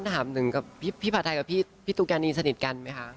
ถามหนึ่งกับพี่ผัดไทยกับพี่ตุ๊กแกนีสนิทกันไหมคะ